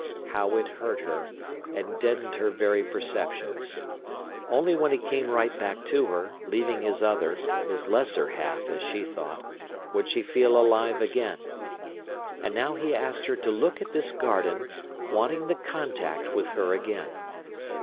How it hurt her, and deadened her very perceptions. Only when he came right back to her, leaving his other, his lesser self, as she thought, would she feel alive again. And now he asked her to look at this garden, wanting the contact with her again.